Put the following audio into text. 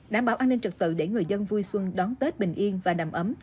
đảm bảo an ninh trật tự để người dân vui xuân đón tết bình yên và đầm ấm